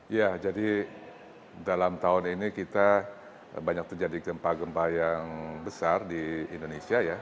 ya jadi dalam tahun ini kita banyak terjadi gempa gempa yang besar di indonesia ya